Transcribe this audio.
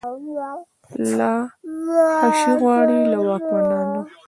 لا« څشي غواړی» له واکمنانو